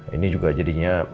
ini juga jadinya